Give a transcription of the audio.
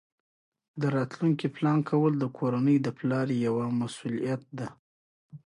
د راتلونکي پلان کول د کورنۍ د پلار یوه مسؤلیت ده.